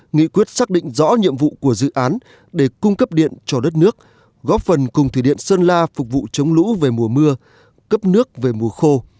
nghị quyết xác định rõ nhiệm vụ của dự án để cung cấp điện cho đất nước góp phần cùng thủy điện sơn la phục vụ chống lũ về mùa mưa cấp nước về mùa khô